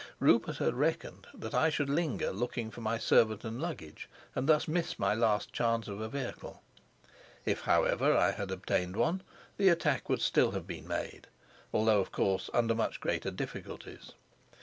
Rupert had reckoned that I should linger looking for my servant and luggage, and thus miss my last chance of a vehicle. If, however, I had obtained one, the attack would still have been made, although, of course, under much greater difficulties.